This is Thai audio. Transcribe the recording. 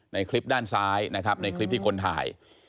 ในคลิปด้านซ้ายนะครับในคลิปที่คนถ่าย